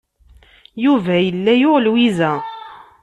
Yuba yella yuɣ Lwiza.